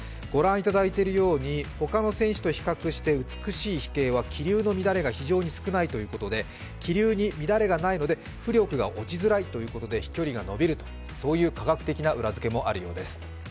ご覧いただいているように他の選手と比較して美しい飛型は気流の乱れが非常に少ないということで気流み乱れがないので浮力が落ちづらいということで、飛距離が伸びるという科学的な裏付けもあるようです。